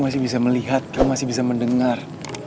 masih bisa melihat kamu masih bisa mendengar